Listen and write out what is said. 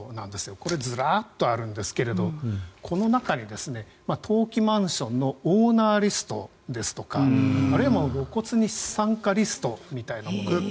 これ、ずらーっとあるんですけどこの中に投機マンションのオーナーリストですとかあるいは露骨に資産家リストみたいなものも。